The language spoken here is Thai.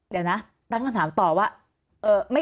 เดี๋ยวนะตั้งคำถามต่อว่า